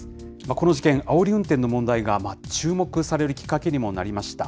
この事件、あおり運転の問題が注目されるきっかけにもなりました。